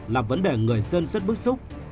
là vấn đề người dân rất bức xúc